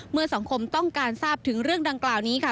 เมื่อสังคมต้องการทราบถึงเรื่องดังกล่าวนี้ค่ะ